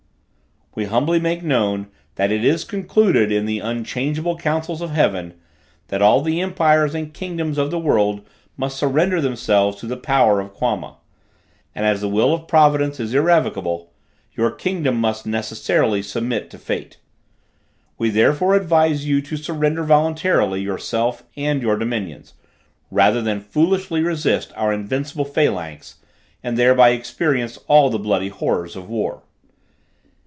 We humbly make known, that it is concluded in the unchangeable councils of heaven, that all the empires and kingdoms of the world must surrender themselves to the power of Quama; and as the will of providence is irrevocable, your kingdom must necessarily submit to fate. We therefore advise you to surrender voluntarily yourself and your dominions, rather than foolishly resist our invincible phalanx, and thereby experience all the bloody horrors of war.